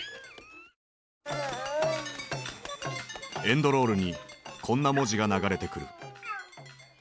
エンドロールにこんな文字が流れてくる。